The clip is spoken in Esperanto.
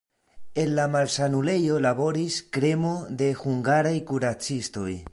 En la malsanulejo laboris kremo de hungaraj kuracistoj.